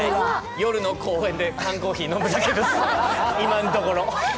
夜の公園で缶コーヒー飲むだけです、今のところ。